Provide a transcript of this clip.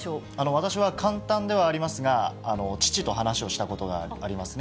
私は簡単ではありますが、父と話をしたことがありますね。